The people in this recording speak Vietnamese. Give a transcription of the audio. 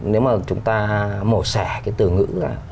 nếu mà chúng ta mổ xẻ cái từ ngữ là